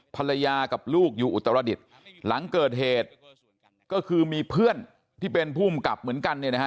ภรรยากับลูกอยู่อุตรดิษฐ์หลังเกิดเหตุก็คือมีเพื่อนที่เป็นภูมิกับเหมือนกันเนี่ยนะฮะ